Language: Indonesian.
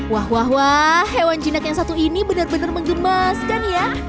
wah wah wah hewan jinak yang satu ini benar benar mengemaskan ya